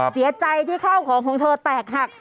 เสียใจที่ข้าวของของเธอแตกหัก